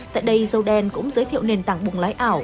tại đây joe dan cũng giới thiệu nền tảng bùng lái ảo